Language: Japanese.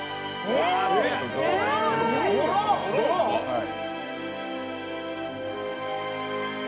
「はい」